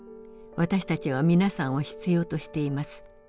私たちは皆さんを必要としています。